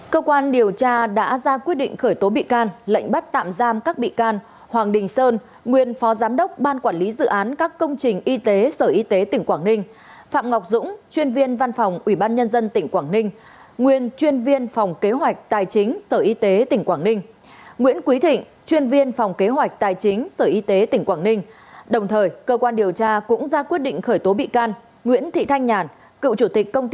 cơ quan điều tra đã ra quyết định khởi tố bị can lệnh bắt tạm giam các bị can hoàng đình sơn nguyên phó giám đốc ban quản lý dự án các công trình y tế sở y tế tỉnh quảng ninh phạm ngọc dũng chuyên viên văn phòng ủy ban nhân dân tỉnh quảng ninh nguyên chuyên viên phòng kế hoạch tài chính sở y tế tỉnh quảng ninh nguyễn quý thịnh chuyên viên phòng kế hoạch tài chính sở y tế tỉnh quảng ninh đồng thời cơ quan điều tra cũng ra quyết định khởi tố bị can nguyễn thị thanh nhàn cựu